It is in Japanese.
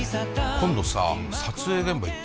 今度さ撮影現場行ってみない？